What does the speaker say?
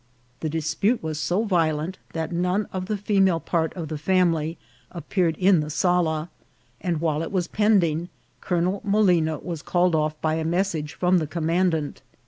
The dispute was so violent that none of the female part of the family appeared in the sala, and while it was pending Colonel Molina was called off by a message from the commandant.